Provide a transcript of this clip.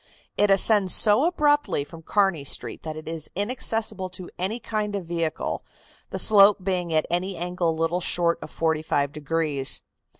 It ascends so abruptly from Kearney Street that it is inaccessible to any kind of vehicle, the slope being at any angle little short of forty five degrees.